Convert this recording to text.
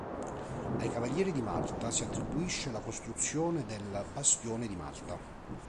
Ai Cavalieri di Malta si attribuisce la costruzione del Bastione di Malta.